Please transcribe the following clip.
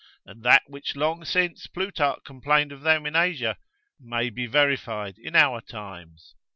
And that which long since Plutarch complained of them in Asia, may be verified in our times.